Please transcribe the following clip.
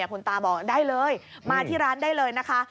คุณตาบอกได้เลยมาที่ร้านได้เลยนะคะ